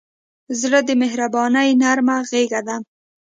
زړه د مهربانۍ نرمه غېږه ده.